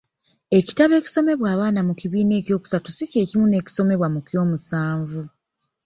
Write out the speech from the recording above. Ekitabo ekisomebwa abaana mu kibiina ekyokusatu si kyekimu n'ekisomwa mu kyomusanvu.